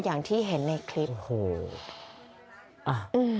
อย่างที่เห็นในคลิปโอ้โหอ่ะอืม